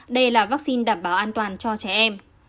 đây là vaccine đảm bảo an toàn cho trẻ em